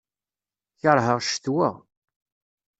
Kerheɣ ccetwa.